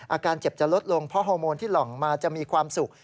อาการเจ็บจะลดลงเพราะฮอร์โมนที่หล่องมาจะมีความสุข